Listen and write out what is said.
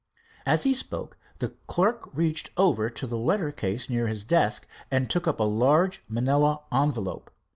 As he spoke the clerk reached over to the letter case near his desk and took up a large manila envelope.